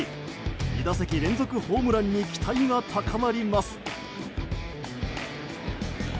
２打席連続ホームランに期待が高まります。